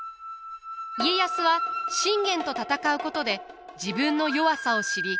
家康は信玄と戦うことで自分の弱さを知り多くを学びます。